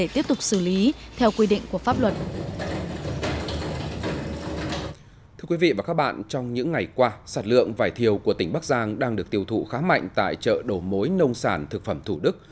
thưa quý vị và các bạn trong những ngày qua sản lượng vải thiều của tỉnh bắc giang đang được tiêu thụ khá mạnh tại chợ đầu mối nông sản thực phẩm thủ đức